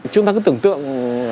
chúng ta cứ tưởng tượng